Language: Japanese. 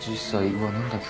うわっ何だっけ？